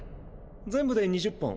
全部で２０本。